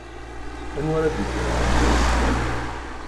Anwa ara d-yekkren zik azekka?